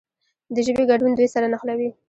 د ژبې ګډون دوی سره نښلوي.